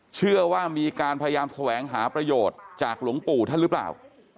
เชื่อว่ามีการพยายามแสวงหาประโยชน์จากหลวงปู่ท่านหรือเปล่า